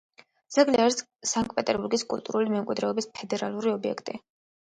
ძეგლი არის სანქტ-პეტერბურგის კულტურული მემკვიდრეობის ფედერალური ობიექტი.